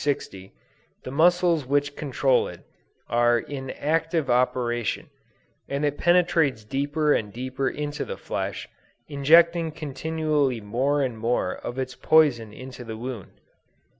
60,) the muscles which control it, are in active operation, and it penetrates deeper and deeper into the flesh, injecting continually more and more of its poison into the wound.